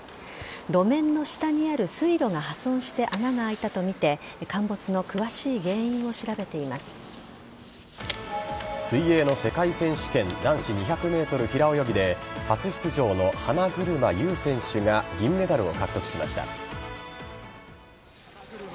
路面の下にある水路が破損して穴が開いたとみて水泳の世界選手権男子２００ｍ平泳ぎで初出場の花車優選手が銀メダルを獲得しました。